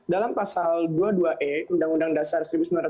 dalam pasal dua puluh dua e undang undang dasar seribu sembilan ratus empat puluh